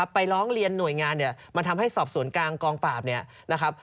ไปร้องเรียนหน่วยงานเนี่ยมันทำให้สอบสวนกลางกองปราบเนี่ยนะครับ